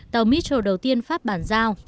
tàu mistro đầu tiên pháp bàn giao